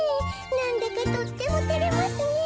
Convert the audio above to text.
なんだかとってもてれますねえ。